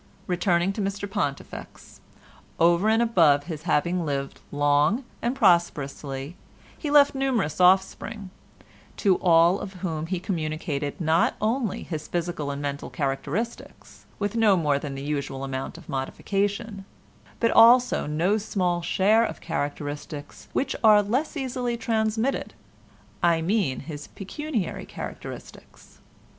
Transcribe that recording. Returning to Mr Pontifex, over and above his having lived long and prosperously, he left numerous offspring, to all of whom he communicated not only his physical and mental characteristics, with no more than the usual amount of modification, but also no small share of characteristics which are less easily transmitted—I mean his pecuniary characteristics.